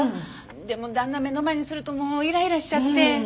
でも旦那目の前にするともうイライラしちゃって。